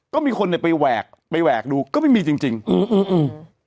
ก็มีคนเนี้ยไปแหวกไปแหวกดูก็ไม่มีจริงจริงอืมอืม